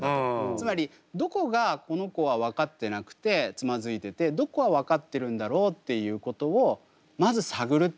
つまりどこがこの子は分かってなくてつまずいててどこは分かってるんだろうっていうことをまず探るっていうこと。